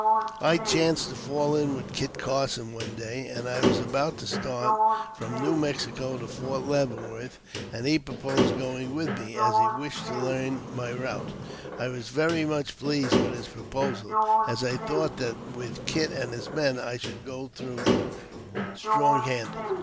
I chanced to fall in with Kit Carson one day, as I was about to start from New Mexico to Fort Leavenworth, and he pro posed going with me, as he wished to learn my route. I was. very much pleased with his proposal, as I thought that with Kit and his men I should go through strong handed.